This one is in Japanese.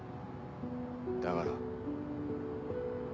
だから？